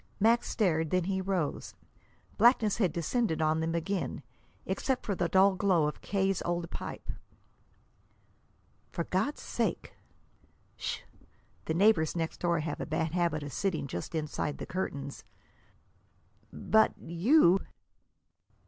Max stared; then he rose. Blackness had descended on them again, except for the dull glow of K.'s old pipe. "For God's sake!" "Sh! The neighbors next door have a bad habit of sitting just inside the curtains." "But you!"